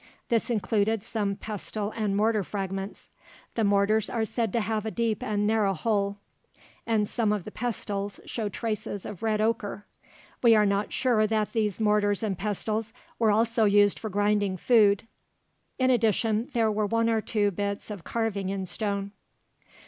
This included some pestle and mortar fragments. The mortars are said to have a deep and narrow hole, and some of the pestles show traces of red ochre. We are not sure that these mortars and pestles were also used for grinding food. In addition, there were one or two bits of carving in stone.